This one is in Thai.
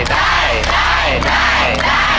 ได้